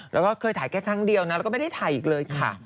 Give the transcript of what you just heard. แล้วก็เคยถ่ายแค่ครั้งเดียวนะแล้วก็ไม่ได้ถ่ายอีกเลยค่ะ